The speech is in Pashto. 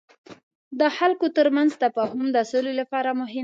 د خلکو ترمنځ تفاهم د سولې لپاره مهم دی.